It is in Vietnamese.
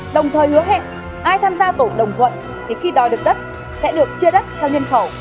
đồng thời hứa hẹn ai tham gia tổ đồng thuận thì khi đòi được đất sẽ được chia đất theo nhân khẩu